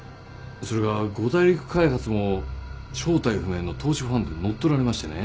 それが五大陸開発も正体不明の投資ファンドに乗っ取られましてね。